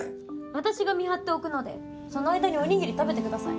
私が見張っておくのでその間にお握り食べてください。